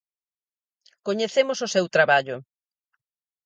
Coñecemos o seu traballo.